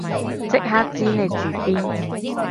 即刻知你住邊